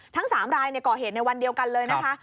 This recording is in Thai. ทั้ง๓รายก่อเหตุในวันเดียวกันเลยนะคะ